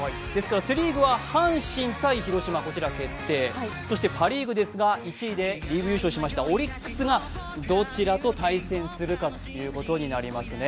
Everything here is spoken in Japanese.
セ・リーグは阪神×広島こちら決定、パ・リーグですが、１位でリーグ優勝しましたオリックスがどちらと対戦するかということになりますね。